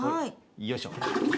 よいしょ。